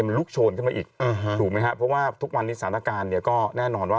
มันลุกโชนขึ้นมาอีกถูกไหมครับเพราะว่าทุกวันนี้สถานการณ์เนี่ยก็แน่นอนว่า